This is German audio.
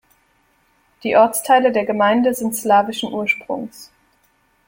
Die Ortsteile der Gemeinde sind slawischen Ursprungs.